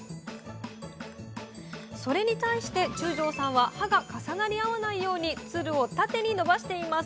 それに対して中條さんは葉が重なり合わないようにツルを縦に伸ばしています。